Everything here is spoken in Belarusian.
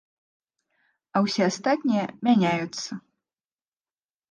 А ўсе астатнія мяняюцца.